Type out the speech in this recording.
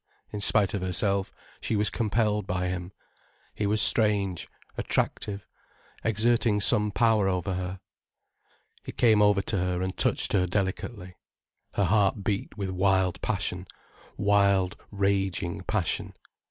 In spite of herself, she was compelled by him. He was strange, attractive, exerting some power over her. He came over to her, and touched her delicately. Her heart beat with wild passion, wild raging passion.